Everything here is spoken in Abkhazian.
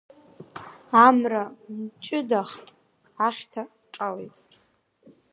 Амра мчыдахт, ахьҭа аҿалеит…